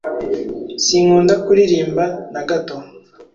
Sinkunda kuririmba na gato.